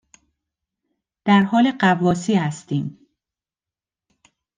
درحال غواصی هستیم